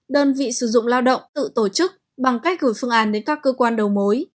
đơn vị sử dụng lao động tự tổ chức bằng cách gửi phương án đến các cơ quan đầu mối